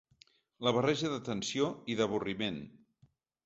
La barreja de tensió i d'avorriment